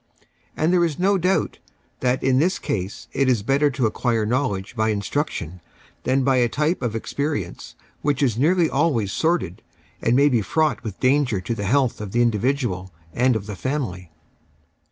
And there is no doubt that in this case it is better to acquire knowledge by instruction than by a type of experience which is nearly always sordid and may be fraught with danger to the health of the indi vidual and of the family.